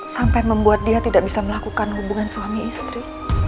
sampai membuat dia tidak bisa melakukan hubungan suami istri